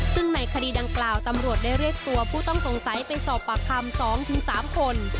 ซึ่งในคดีดังกล่าวตำรวจได้เรียกตัวผู้ต้องสงสัยไปสอบปากคำ๒๓คน